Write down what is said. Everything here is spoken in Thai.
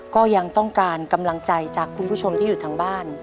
ก็ยังต้องการกำลังใจจากคุณผู้ชมที่อยู่ทางบ้าน